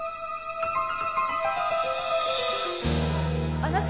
あなた？